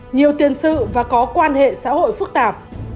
nhiều tiền sự và có quan hệ xã hội phức tạp